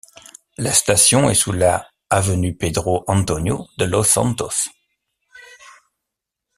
La station est sous la avenue Pedro Antonio de los Santos.